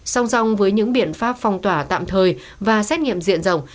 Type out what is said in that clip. song song với những biện pháp phong tỏa tạm thời và xét nghiệm diện rộng